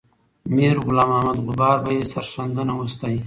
میرغلام محمد غبار به یې سرښندنه وستایي.